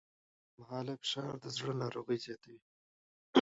اوږدمهاله فشار د زړه ناروغۍ زیاتوي.